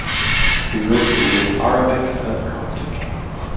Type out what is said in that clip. He wrote in both Arabic and Coptic.